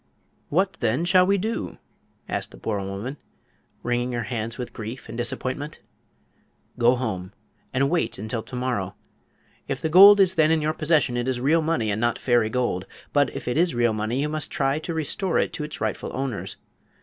"What, then, shall we do?" asked the poor woman, wringing her hands with grief and disappointment. "Go home and wait until to morrow. If the gold is then in your possession it is real money and not fairy gold. But if it is real money you must try to restore it to its rightful owners.